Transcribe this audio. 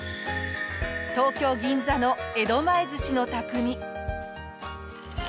東京銀座の江戸前寿司の匠。